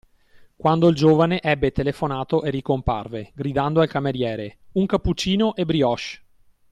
Quando il giovane ebbe telefonato e ricomparve, gridando al cameriere: Un cappuccino e brioche!